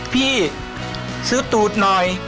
พี่ซื้อตูดหน่อย